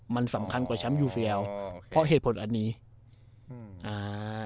มันสำคัญกว่าแชมป์ยูเฟียลอ๋อเพราะเหตุผลอันนี้อืมอ่า